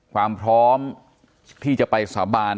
ความพร้อมที่จะไปสาบาน